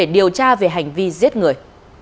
nga về hành vi giết người